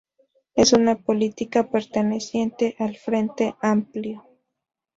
Es una política perteneciente al Frente Amplio.